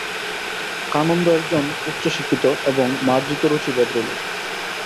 কানন্দ একজন উচ্চশিক্ষিত এবং মার্জিতরুচি ভদ্রলোক।